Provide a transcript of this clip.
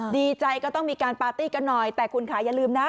ดีใจก็ต้องมีการปาร์ตี้กันหน่อยแต่คุณค่ะอย่าลืมนะ